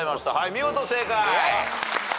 見事正解。